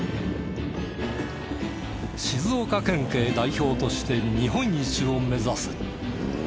静岡県警代表として日本一を目指す。